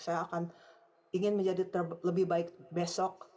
saya akan ingin menjadi lebih baik besok